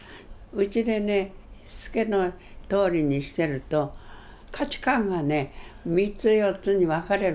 うちでねしつけのとおりにしてると価値観がね３つ４つに分かれるわけ。